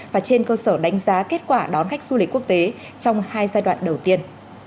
và trên cơ sở đánh giá kết quả đón khách du lịch quốc tế trong hai giai đoạn đầu tiên